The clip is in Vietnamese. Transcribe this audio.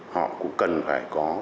họ cũng cần phải có